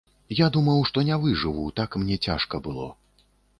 Я думаў, што не выжыву, так мне цяжка было.